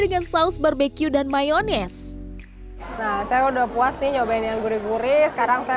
dengan saus barbecue dan mayonis nah saya udah puas nih nyobain yang gurih gurih sekarang saya